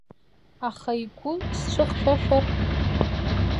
Аха игәы сцәыхьшәашәар?